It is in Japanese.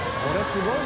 すごい。